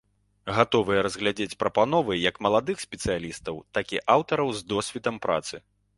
Гатовыя разгледзець прапановы як маладых спецыялістаў, так і аўтараў з досведам працы.